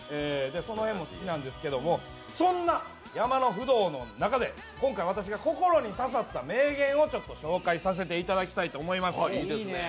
その辺も好きなんですけど、そんな山のフドウの中で今回私が心に刺さった名言を、紹介させていただきたいと思います。